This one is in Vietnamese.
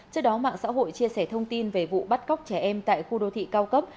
trước đó mạng xã hội chia sẻ thông tin về vụ bắt cóc trẻ em tại khu đô thị cao cấp